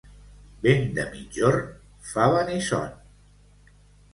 Vent de migjorn fa venir son.